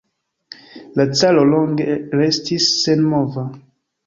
La caro longe restis senmova.